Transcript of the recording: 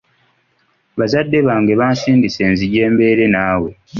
Bazadde bange bansindise nzije mbeere naawe.